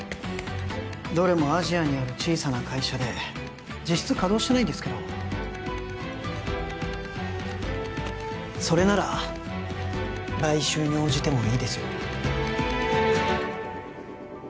どれもアジアにある小さな会社で実質稼働してないんですけどそれなら買収に応じてもいいですよ